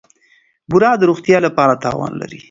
بوره د روغتیا لپاره تاوان لري.